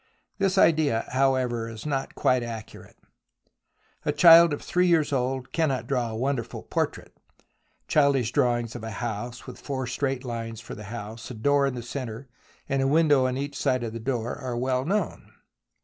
This idea, however, is not quite accurate. A child of three years old cannot draw wonderful portraits. Childish draw ings of a house with four straight lines for the house, a door in the centre, and a window on each side of the door are well known.